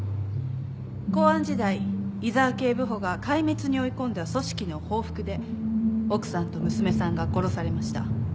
公安時代井沢警部補が壊滅に追い込んだ組織の報復で奥さんと娘さんが殺されました。